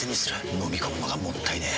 のみ込むのがもったいねえ。